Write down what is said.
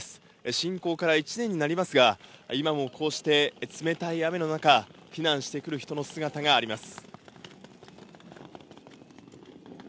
侵攻から１年になりますが、今もこうして冷たい雨の中、避難してくる人の姿があります。